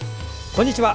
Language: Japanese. こんにちは。